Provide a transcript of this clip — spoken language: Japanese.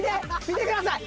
見てください。